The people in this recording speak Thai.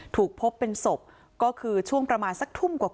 ถูกพบเป็นศพก็คือช่วงประมาณสักทุ่มกว่า